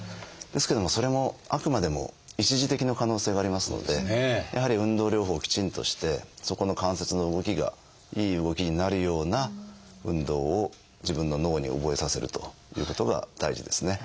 ですけどもそれもあくまでも一時的な可能性がありますのでやはり運動療法をきちんとしてそこの関節の動きがいい動きになるような運動を自分の脳に覚えさせるということが大事ですね。